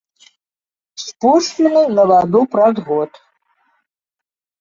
Спушчаны на ваду праз год.